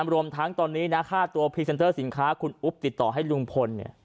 รวมทั้งตอนนี้นะฮะตัวสินค้าคุณอุ๊บติดต่อให้ลุงพลเนี่ย